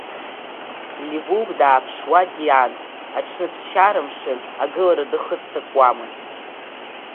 Ливук дааԥшуа, диан, аҽны ԥсшьара мшын, агылара дахыццакуамызт.